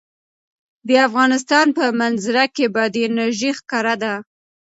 د افغانستان په منظره کې بادي انرژي ښکاره ده.